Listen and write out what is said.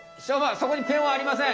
そこにペンはありません。